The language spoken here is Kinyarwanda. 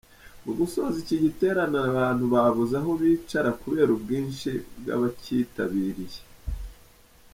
Mu gusoza iki giterane abantu babuze aho bicara kubera ubwinshi bw’abakitabiriye.